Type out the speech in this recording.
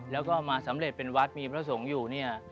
แล้วก็มาสำเร็จเป็นวัดมีพระสงฆ์อยู่เนี่ย